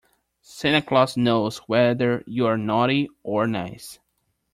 Santa Claus knows whether you're naughty or nice.